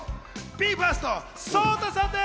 ＢＥ：ＦＩＲＳＴ・ＳＯＴＡさんです！